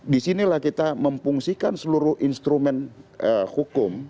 disinilah kita memfungsikan seluruh instrumen hukum